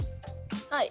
はい。